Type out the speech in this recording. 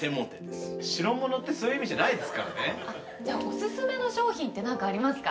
じゃあお薦めの商品って何かありますか？